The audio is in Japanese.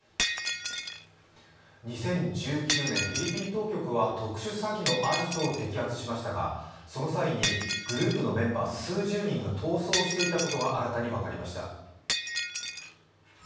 ２０１９年、フィリピン当局は特殊詐欺のアジトを摘発しましたが、その際にグループのメンバー数十人が逃走していたことが新たに分かりました。